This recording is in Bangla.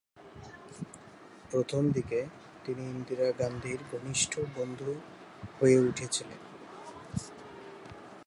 প্রথমদিকে, তিনি ইন্দিরা গান্ধীর ঘনিষ্ঠ বন্ধু হয়ে উঠেছিলেন।